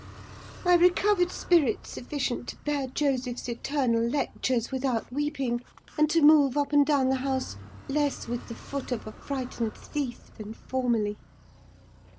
"I recovered spirits sufficient to hear Joseph's eternal lectures without weeping, and to move up and down the house less with the foot of a frightened thief than formerly.